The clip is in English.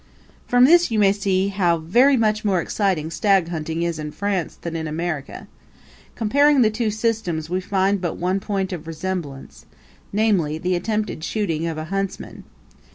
From this you may see how very much more exciting stag hunting is in France than in America. Comparing the two systems we find but one point of resemblance namely, the attempted shooting of a huntsman.